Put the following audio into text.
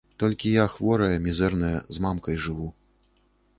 Толькі я, хворая, мізэрная, з мамкай жыву.